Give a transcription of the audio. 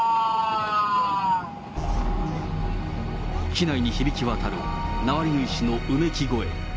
機内に響き渡るナワリヌイ氏のうめき声。